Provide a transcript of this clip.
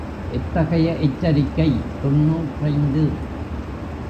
எத்தகைய எச்சரிக்கை தொன்னூற்றைந்து.